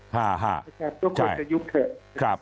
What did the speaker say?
นะครับต้องกดสะยุบเถอะ